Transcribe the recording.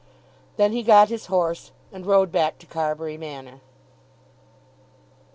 Then he got his horse and rode back to Carbury Manor.